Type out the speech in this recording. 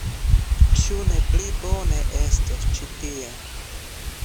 Ĉu ne pli bone estos ĉi tie.